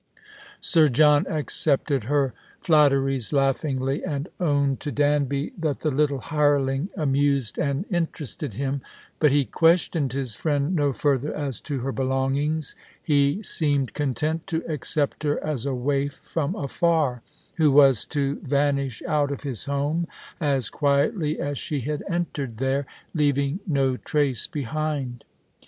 Sir John accepted her flatteries laughingly, and owned to Danby that the little hireling amused and interested him ; but he questioned his friend no further as to her belongings. He seemed content to accept her as The Christmas Hirelings. 183 a waif from afar, who was to vanish out of his home as quietly as she had entered there, leaving no trace behind.